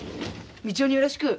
道雄によろしく。